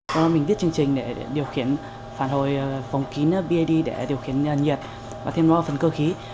do đó mình viết chương trình để điều khiển phản hồi vòng kín bad để điều khiển nhiệt và thêm nó vào phần cơ khí